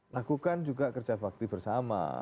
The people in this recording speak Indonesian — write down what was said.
lakukan juga kerja bakti bersama